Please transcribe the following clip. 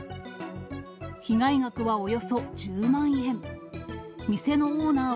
被害額はおよそ１０万円。